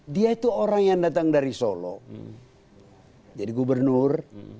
dia itu orang yang datang dari solo jadi gubernur